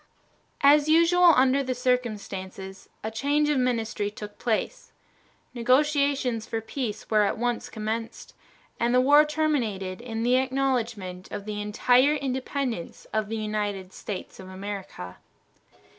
As usual under the circumstances, a change of ministry took place. Negotiations for peace were at once commenced, and the war terminated in the acknowledgment of the entire independence of the United States of America.